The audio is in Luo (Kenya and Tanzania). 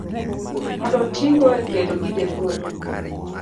mondo otigo e kedo gi det - bonyo.